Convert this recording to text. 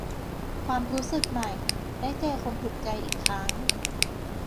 ความรู้สึกใหม่ ได้เจอคนถูกใจอีกครั้ง